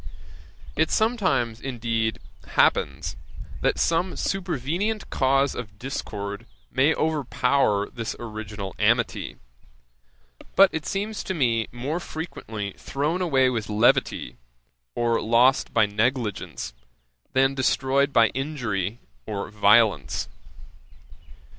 It sometimes, indeed, happens, that some supervenient cause of discord may overpower this original amity; but it seems to me more frequently thrown away with levity, or lost by negligence, than destroyed by injury or violence.